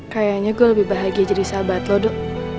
kayaknya gue lebih bahagia jadi sahabat lo dok